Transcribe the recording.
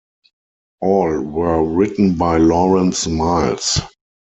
All were written by Lawrence Miles.